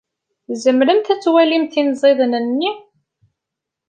Tzemremt ad twalimt inẓiden-nni?